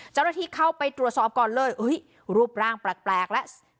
เจ้าหน้าที่เข้าไปตรวจสอบก่อนเลยรูปร่างแปลกแล้ว